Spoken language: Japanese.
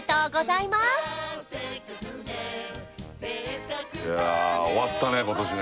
いや終わったね